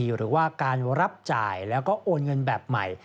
หรือว่าการรับจ่ายแล้วก็โอนเงินแบบใหม่